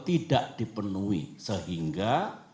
tidak dipenuhi sehingga